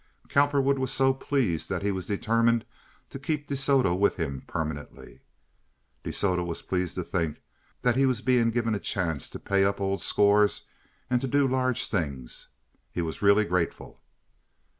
Cowperwood was so pleased that he was determined to keep De Soto with him permanently. De Soto was pleased to think that he was being given a chance to pay up old scores and to do large things; he was really grateful.